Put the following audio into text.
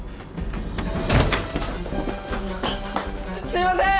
すいません！